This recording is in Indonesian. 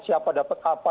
siapa dapat apa